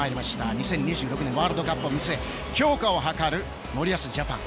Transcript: ２０２６年ワールドカップを見据え強化を図る森保ジャパン。